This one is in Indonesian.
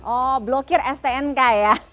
oh blokir stnk ya